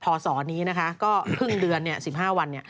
ศนี้นะคะก็ครึ่งเดือน๑๕วัน